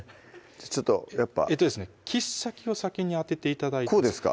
ちょっとやっぱ切っ先を先に当てて頂いてこうですか？